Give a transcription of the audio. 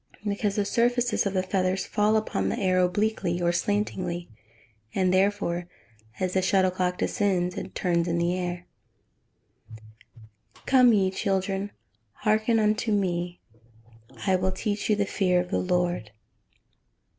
_ Because the surfaces of the feathers fall upon the air obliquely, or slantingly, and therefore, as the shuttlecock descends, it turns in the air. [Verse: "Come ye children, hearken unto me, I will teach you the fear of the Lord."